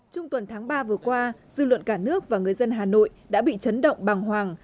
trong tuần tháng ba vừa qua dư luận cả nước và người dân hà nội đã bị chấn động bằng hoàng